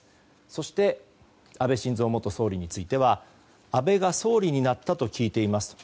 そして安倍晋三元総理については安倍が総理になったと聞いていますと。